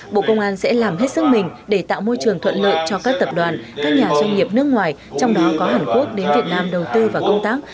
bộ công an sẽ làm hết sức mình để tạo môi trường thuận lợi cho các tập đoàn các nhà doanh nghiệp nước ngoài trong đó có hàn quốc đến việt nam đầu tư và công tác